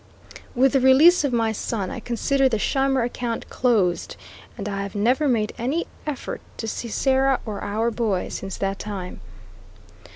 With the release of my son, I considered the Scheimer account closed, and I have never made any effort to see Sarah or our boy since that time.